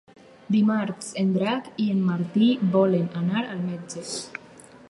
Dimarts en Drac i en Martí volen anar al metge.